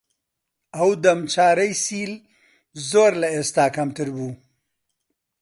ئەو دەم چارەی سیل زۆر لە ئێستا کەمتر بوو